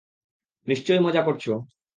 নিশ্চয়ই মজা করছ!